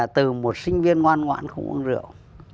từ một sinh viên ngoan ngoãn không uống rượu